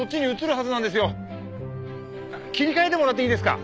切り替えてもらっていいですか？